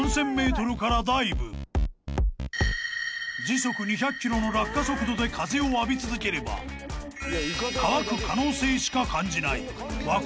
［時速２００キロの落下速度で風を浴び続ければ乾く可能性しか感じない］